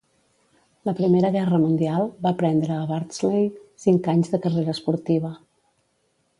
La Primera Guerra Mundial va prendre a Bardsley cinc anys de carrera esportiva.